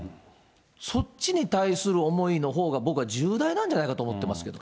そっちに対する思いのほうが、僕は重大なんじゃないかと思ってますけど。